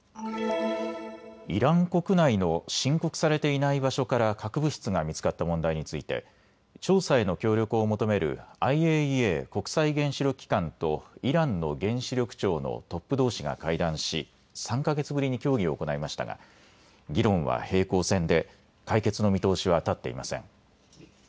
イラン国内の申告されていない場所から核物質が見つかった問題について調査への協力を求めるＩＡＥＡ・国際原子力機関とイランの原子力庁のトップどうしが会談し３か月ぶりに協議を行いましたが議論は平行線で解決の見通しは立っていません。